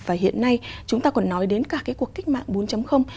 và hiện nay chúng ta còn nói đến cả cái cuộc cách mạng bốn